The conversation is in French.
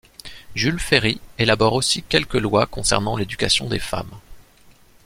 Jules Ferry élabore aussi quelques lois concernant l'éducation des femmes.